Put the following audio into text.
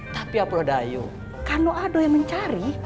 tapi apuladayo kanu ada yang mencari